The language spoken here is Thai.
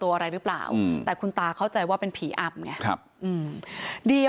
แต่ถ้านอนนอนตั้งนอกเนี่ยบอกเป็นอย่าง